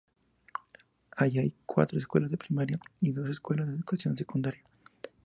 Ahí hay cuatro escuelas de primaria y dos escuelas de educación secundaria.